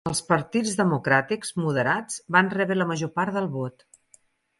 Els partits democràtics moderats van rebre la major part del vot.